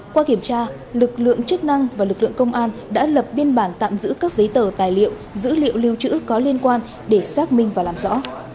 qua kiểm tra lực lượng chức năng và lực lượng công an đã lập biên bản tạm giữ các giấy tờ tài liệu dữ liệu lưu trữ có liên quan để xác minh và làm rõ